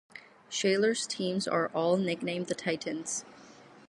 Shaler's teams are all nicknamed The Titans.